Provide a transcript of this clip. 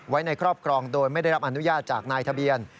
ไว้ในครอบครองโดยไม่ได้รับอนุญาตจากนายทะเบียน